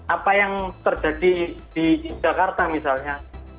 apa yang terjadi di jakarta misalnya